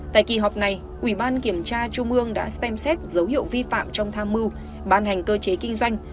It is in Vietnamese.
tại kỳ họp này ủy ban kiểm tra trung ương đã xem xét dấu hiệu vi phạm trong tham mưu ban hành cơ chế kinh doanh